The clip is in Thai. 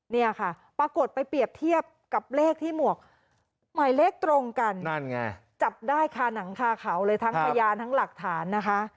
เนี่ยค่ะปรากฏไปเปรียบเทียบกับเลขที่หมวกหมายเลขตรงกันนั่นไงจับได้คาหนังคาเขาเลยทั้งพยานทั้งหลักฐานนะคะ